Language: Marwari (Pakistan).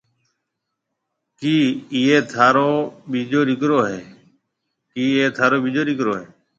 ڪِي اَي ٿارو ٻيجو ڏيڪرو هيَ؟